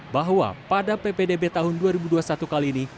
bahwa pada ppdb tahun dua ribu dua puluh satu kali ini